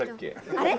あれ？